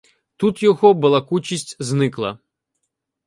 Тут його балакучість зникла.